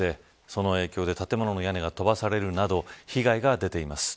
その影響で建物の屋根が飛ばされるなど被害が出ています。